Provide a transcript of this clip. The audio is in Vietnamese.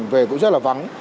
về cũng rất là vắng